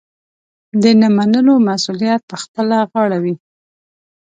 د نه منلو مسوولیت پخپله غاړه وي.